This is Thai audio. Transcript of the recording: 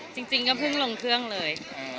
จริงก็เพิ่งลงเครื่องเลย